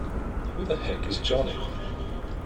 Who the heck is Johnny?!